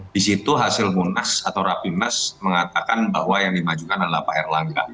di situ hasil munas atau rapimnas mengatakan bahwa yang dimajukan adalah pak erlangga